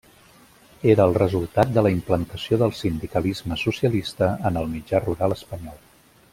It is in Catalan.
Era el resultat de la implantació del sindicalisme socialista en el mitjà rural espanyol.